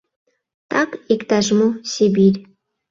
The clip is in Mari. — Так иктаж-мо — Сибирь.